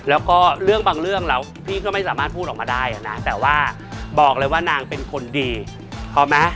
แล้วก็เรื่องบางเรื่องแล้วพี่ก็ไม่สามารถพูดออกมาได้นะแต่ว่าบอกเลยว่านางเป็นคนดีพอไหม